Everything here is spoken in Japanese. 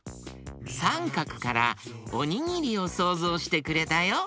サンカクからおにぎりをそうぞうしてくれたよ。